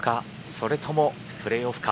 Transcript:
それともプレーオフか。